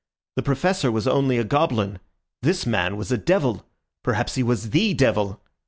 The Professor was only a goblin; this man was a devil—perhaps he was the Devil!